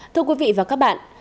thưa quý vị và các bạn